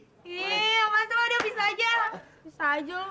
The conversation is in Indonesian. iiih apaan tuh bisa aja